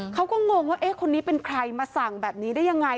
งงว่าเอ๊ะคนนี้เป็นใครมาสั่งแบบนี้ได้ยังไง